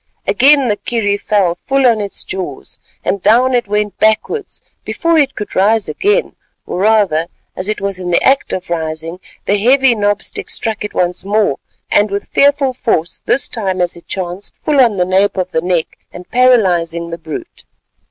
Again the kerry fell full on its jaws, and down it went backwards. Before it could rise again, or rather as it was in the act of rising, the heavy knob stick struck it once more, and with fearful force, this time as it chanced, full on the nape of the neck, and paralysing the brute.